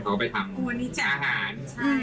เขาไปทำอาหาร